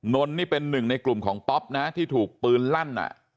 นนนี่เป็นหนึ่งในกลุ่มของป๊อปนะที่ถูกปืนลั่น